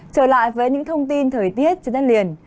trở lại với những thông tin thời tiết trên đất liền